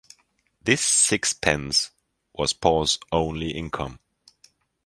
This sixpence was Paul’s only income.